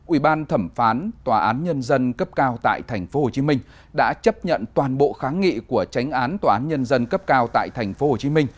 ủy ban thẩm phán tòa án nhân dân cấp cao tại tp hcm đã chấp nhận toàn bộ kháng nghị của tránh án tòa án nhân dân cấp cao tại tp hcm